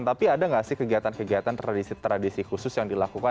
tapi ada nggak sih kegiatan kegiatan tradisi tradisi khusus yang dilakukan